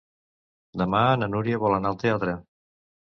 Demà na Núria vol anar al teatre.